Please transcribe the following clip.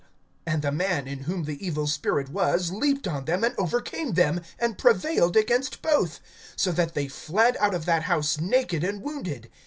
(16)And the man in whom the evil spirit was leaped on them, and overcame them, and prevailed against both, so that they fled out of that house naked and wounded.